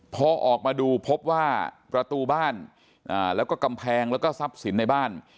พอออกมาดูพบว่าประตูบ้านแล้วก็กำแพงแล้วก็ทรัพย์สินในบ้าน